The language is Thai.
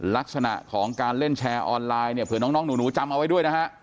ลักษณะของการเล่นแชร์ออนไลน์เนี่ยเผื่อน้องหนูจำเอาไว้ด้วยนะฮะ